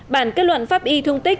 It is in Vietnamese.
bản kết luận pháp y thương tích